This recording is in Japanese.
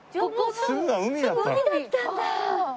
すぐ海だったんだ！